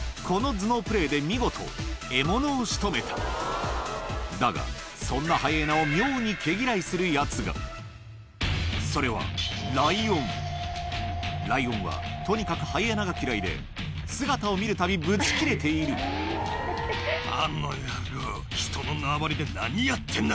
この頭脳プレーで見事獲物を仕留めただがそんなハイエナを妙に毛嫌いするやつがそれはライオンはとにかくハイエナが嫌いで姿を見るたびブチキレているあっち